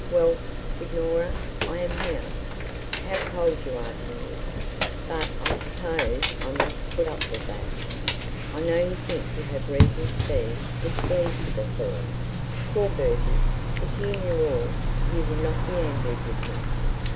'Well, signora; I am here.' 'How cold you are to me. But I suppose I must put up with that. I know you think you have reason to be displeased with us all. Poor Bertie! if you knew all, you would not be angry with him.'